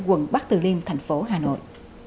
quận bắc từ liêm thành phố hà nội